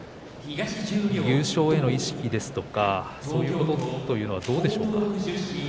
優勝への意識とか、そういうところはどうでしょうか。